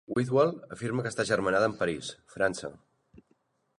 Whitwell afirma que està agermanada amb París, França.